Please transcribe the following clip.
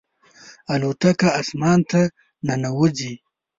الوتکه اسمان ته ننوځي.